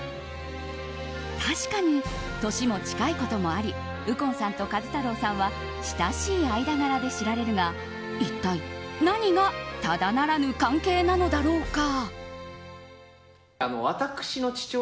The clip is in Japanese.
確かに年も近いこともあり右近さんと壱太郎さんは親しい間柄で知られるが一体、何がただならぬ関係なのだろうか。